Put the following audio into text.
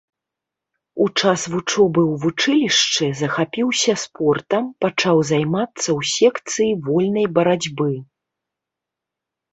У час вучобы ў вучылішчы захапіўся спортам, пачаў займацца ў секцыі вольнай барацьбы.